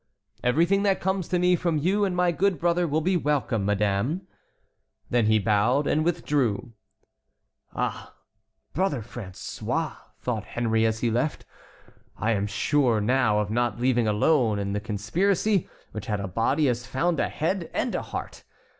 "Everything that comes to me from you and my good brother will be welcome, madame." Then he bowed and withdrew. "Ah! brother François!" thought Henry as he left, "I am sure now of not leaving alone, and the conspiracy which had a body has found a head and a heart.